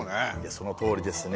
そのとおりですね。